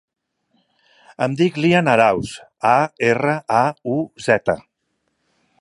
Em dic Lian Arauz: a, erra, a, u, zeta.